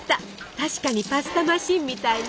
確かにパスタマシンみたいね。